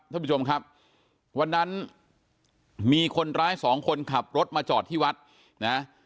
ท่านผู้ชมครับวันนั้นมีคนร้ายสองคนขับรถมาจอดที่วัดนะ